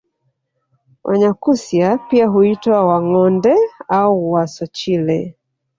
Wanyakyusa pia huitwa Wangonde au Wasochile